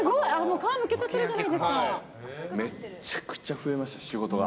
皮むけちゃってるじゃないでめっちゃくちゃ増えました、仕事が。